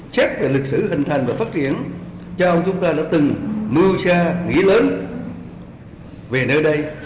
chép về lịch sử hình thành và phát triển cho ông chúng ta đã từng mưu xa nghĩ lớn về nơi đây